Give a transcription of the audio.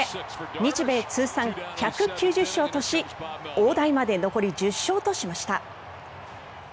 日米通算１９０勝とし大台まで残り１０勝としました。